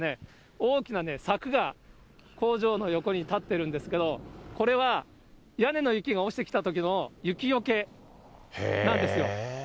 大きな柵が工場の横に建ってるんですけれども、これは屋根の雪が落ちてきたときの雪よけなんですよ。